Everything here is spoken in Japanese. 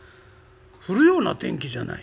降るような天気じゃない？